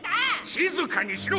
静かにしろ！